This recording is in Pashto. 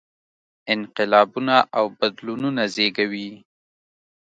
انقلابونه او بدلونونه زېږوي.